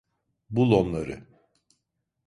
Bul onları.